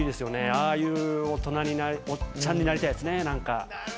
ああいう大人に、おっちゃんになりたいですね。